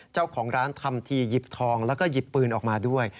เจ้าของร้านทำทีหยิบทองแล้วก็หยิบปืนออกมาด้วย